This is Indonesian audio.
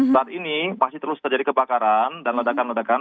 saat ini masih terus terjadi kebakaran dan ledakan ledakan